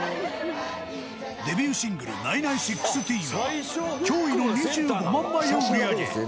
デビューシングル『ＮＡＩ・ＮＡＩ１６』は驚異の２５万枚を売り上げ